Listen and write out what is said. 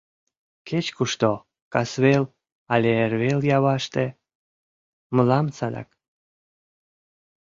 Кеч-кушто, касвел але эрвел Яваште — мылам садак.